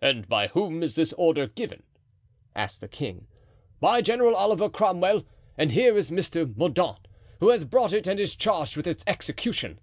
"And by whom is this order given?" asked the king. "By General Oliver Cromwell. And here is Mr. Mordaunt, who has brought it and is charged with its execution."